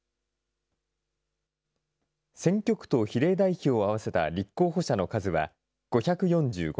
選挙区と比例代表を合わせた立候補者の数は５４５人。